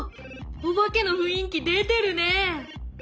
お化けの雰囲気出てるね。